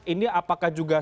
ini apakah juga